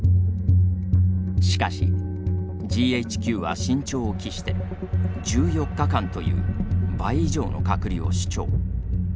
しかし、ＧＨＱは慎重を期して１４日間という倍以上の隔離を主張。